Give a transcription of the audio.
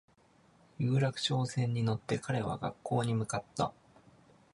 有楽町線に乗って彼は学校に向かった